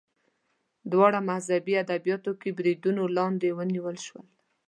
دواړه مذهبي ادبیاتو کې بریدونو لاندې ونیول شول